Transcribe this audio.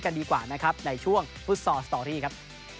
ดีกว่านะครับในช่วงฟุตซอลสตอรี่ครับ